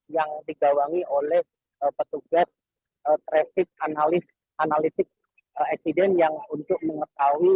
yang digawangi oleh petugas traffic analitik accident yang untuk mengetahui